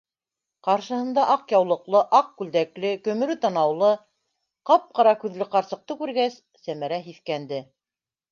Ҡаршыһында аҡ яулыҡлы, аҡ күлдәкле, көмөрө танаулы, ҡап-ҡара күҙле ҡарсыҡты күргәс, Сәмәрә һиҫкәнде: